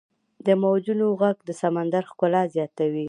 • د موجونو ږغ د سمندر ښکلا زیاتوي.